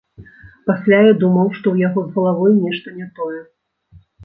Пасля я думаў, што ў яго з галавой нешта не тое.